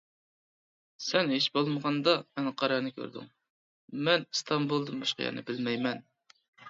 سەن ھېچبولمىغاندا ئەنقەرەنى كۆردۈڭ، مەن ئىستانبۇلدىن باشقا يەرنى بىلمەيمەن.